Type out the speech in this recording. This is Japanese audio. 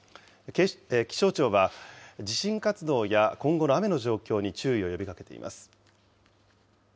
気象庁は、地震活動や今後の雨の状況に注意を呼びかけています。